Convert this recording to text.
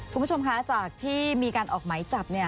คุณผู้ชมคะจากที่มีการออกไหมจับเนี่ย